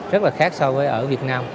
rất là khác so với ở việt nam